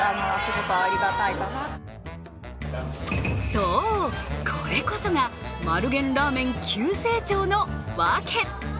そう、これこそが丸源ラーメン急成長のワケ。